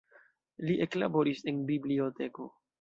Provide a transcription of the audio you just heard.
Li eklaboris en biblioteko.